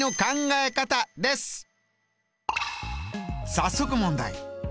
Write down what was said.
早速問題。